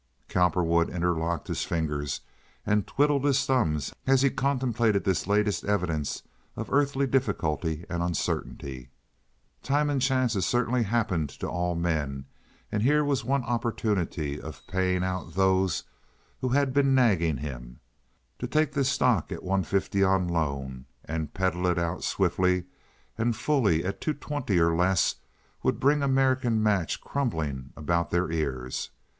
Cowperwood interlocked his fingers and twiddled his thumbs as he contemplated this latest evidence of earthly difficulty and uncertainty. Time and chance certainly happened to all men, and here was one opportunity of paying out those who had been nagging him. To take this stock at one fifty on loan and peddle it out swiftly and fully at two twenty or less would bring American Match crumbling about their ears.